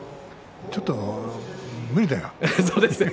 ちょっと無理だよ。